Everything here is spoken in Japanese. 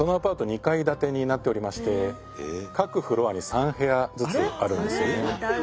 ２階建てになっておりまして各フロアに３部屋ずつあるんですよね。